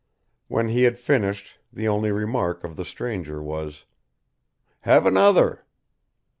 When he had finished the only remark of the stranger was: "Have another."